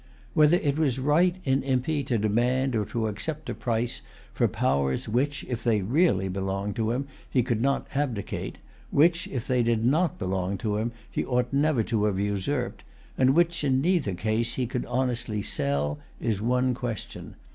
Whether it was right in Impey to demand or to accept a price for powers which, if they really belonged to him, he could not abdicate, which, if they did not belong to him, he ought never to have usurped, and which in neither case he could honestly sell, is one question.